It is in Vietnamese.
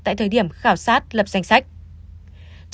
tại thời điểm khảo sát lập danh sách